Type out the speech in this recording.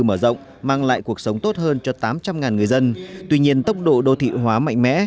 mở rộng mang lại cuộc sống tốt hơn cho tám trăm linh người dân tuy nhiên tốc độ đô thị hóa mạnh mẽ